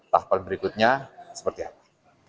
tahapan berikutnya seperti apa